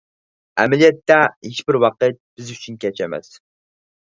ئەمەلىيەتتە ھېچبىر ۋاقىت بىز ئۈچۈن كەچ ئەمەس.